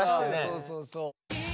そうそうそう。